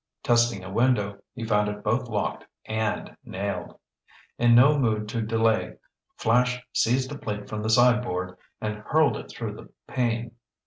Testing a window, he found it both locked and nailed. In no mood to delay, Flash seized a plate from the sideboard and hurled it through the pane.